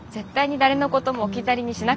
誰のことも置き去りにしない。